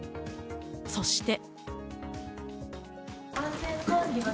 そして。